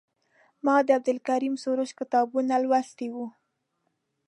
ما د عبدالکریم سروش کتابونه لوستي وو.